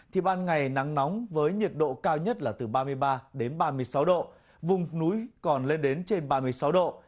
thì ban ngày nắng nóng với nhiệt độ cao nhất là từ ba mươi ba đến ba mươi sáu độ vùng núi còn lên đến trên ba mươi sáu độ